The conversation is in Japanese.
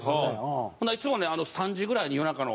ほんならいつもね３時ぐらいに夜中の。